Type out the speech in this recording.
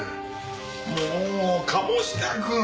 もう鴨志田くん！